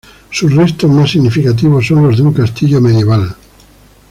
Sus restos más significativos son los de un castillo medieval.